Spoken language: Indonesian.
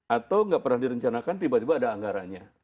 atau nggak pernah direncanakan tiba tiba ada anggarannya